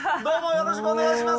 よろしくお願いします。